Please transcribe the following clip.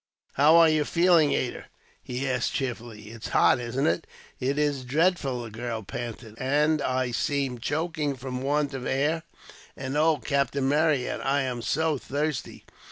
"How are you feeling, Ada?" he asked cheerfully. "It's hot, isn't it!" "It is dreadful," the girl panted, "and I seem choking from want of air; and oh, Captain Marryat, I am so thirsty!"